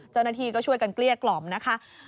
เจ้าหน้าที่ก็ช่วยกันเกลี้ยกล่อมนะคะ